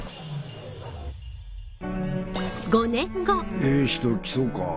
ええ人来そうか？